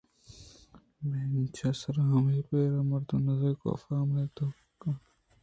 بینچ ءِ سرا ہماپیر مرد ءِ نزّیک ءَ کاف ہم نندوک اَت